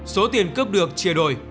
số tiền cướp được chia đổi